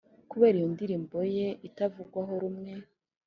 kubera iyo ndirimbo ye itavugwaho rumwe